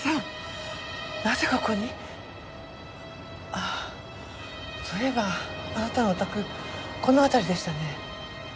あっそういえばあなたのお宅この辺りでしたね。